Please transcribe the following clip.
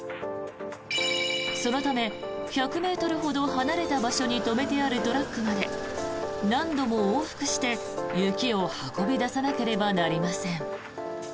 そのため１００ｍほど離れた場所に止めてあるトラックまで何度も往復して、雪を運び出さなければなりません。